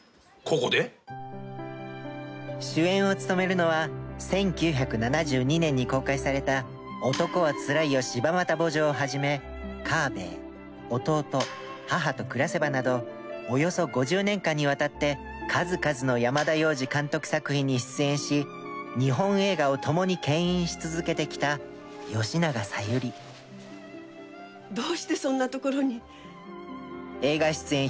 主演を務めるのは１９７２年に公開された『男はつらいよ柴又慕情』を始め『母べえ』『おとうと』『母と暮せば』などおよそ５０年間にわたって数々の山田洋次監督作品に出演し日本映画を共に牽引し続けてきた吉永小百合。どうしてそんな所に？